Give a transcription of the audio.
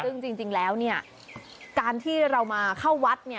ซึ่งจริงแล้วการที่เรามาเข้าวัด